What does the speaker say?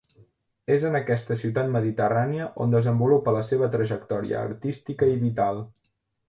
És en aquesta ciutat mediterrània on desenvolupa la seva trajectòria artística i vital.